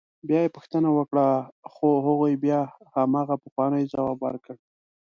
بیا یې پوښتنه وکړه خو هغوی بیا همغه پخوانی ځواب ورکړ.